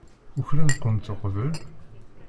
Ukren-kent uqbel?